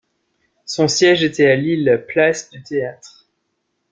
Son siège était à Lille, place du Théâtre.